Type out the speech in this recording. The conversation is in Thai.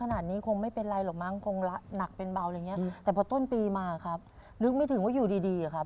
ขนาดนี้คงไม่เป็นไรหรอกมั้งคงละหนักเป็นเบาอะไรอย่างเงี้ยแต่พอต้นปีมาครับนึกไม่ถึงว่าอยู่ดีดีอะครับ